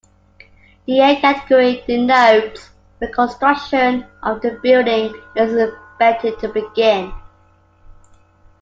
The "Year" category denotes when construction of the building is expected to begin.